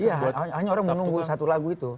iya hanya orang menunggu satu lagu itu